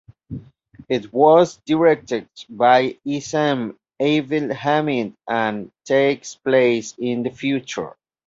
It was directed by Essam Abdel Hamid and takes place in the future.